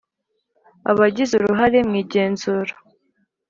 Abagize uruhare mu igenzura